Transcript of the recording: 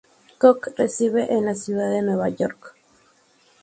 Cooke reside en la Ciudad de Nueva York.